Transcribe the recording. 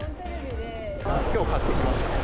きょう買ってきました。